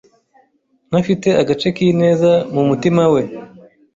Ntafite agace k'ineza mu mutima we.